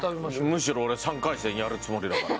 むしろ俺３回戦やるつもりだから。